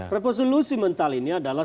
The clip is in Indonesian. revolusi mental ini adalah